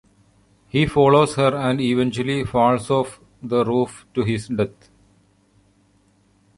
He follows her and eventually falls off the roof to his death.